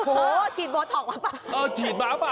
โอ้โหฉีดโบท็อกมาป่ะ